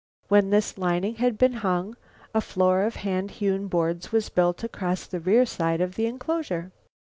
When this lining had been hung, a floor of hand hewn boards was built across the rear side of the inclosure.